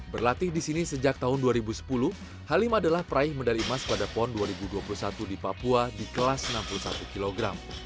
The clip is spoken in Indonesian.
berlatih di sini sejak tahun dua ribu sepuluh halim adalah peraih medali emas pada pon dua ribu dua puluh satu di papua di kelas enam puluh satu kg